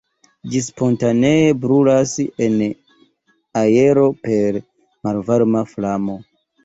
Ĝi spontanee brulas en aero per malvarma flamo.